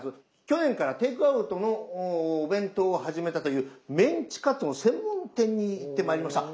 去年からテイクアウトのお弁当を始めたというメンチカツの専門店に行ってまいりました。